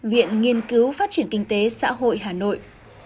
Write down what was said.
viện nghiên cứu phát triển kinh tế xã hội hà nội